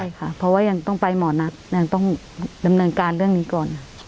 ใช่ค่ะเพราะว่ายังต้องไปหมอนัทยังต้องดำเนินการเรื่องนี้ก่อน